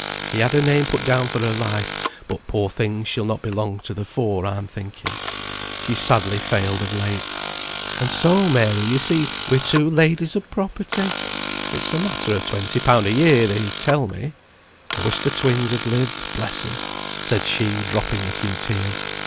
He had her name put down for her life; but, poor thing, she'll not be long to the fore, I'm thinking. She's sadly failed of late. And so, Mary, yo see, we're two ladies o' property. It's a matter o' twenty pound a year they tell me. I wish the twins had lived, bless 'em," said she, dropping a few tears.